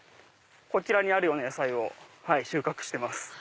こちらにあるような野菜を収穫してます。